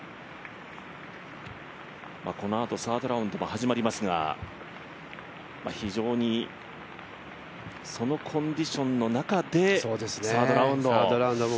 このあとサードラウンドも始まりますが、非常にそのコンディションの中でサードラウンドを。